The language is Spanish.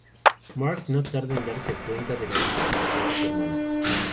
Mark no tarda en darse cuenta de la desaparición de su hermana.